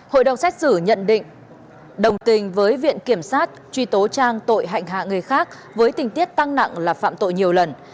hội đồng xét xử nhận định đồng tình với viện kiểm sát truy tố trang tội hạnh hạ người khác với tình tiết tăng nặng là phạm tội nhiều lần